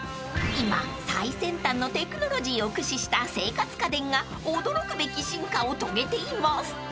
［今最先端のテクノロジーを駆使した生活家電が驚くべき進化を遂げています］